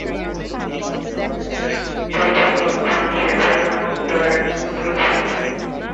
প্রথম লক্ষ্মণ শেখর নামক তার এক পুত্র ছিল।